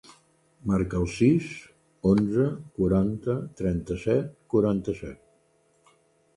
Marca el sis, onze, quaranta, trenta-set, quaranta-set.